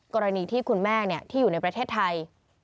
กรณีที่คุณแม่ที่อยู่ในประเทศไทย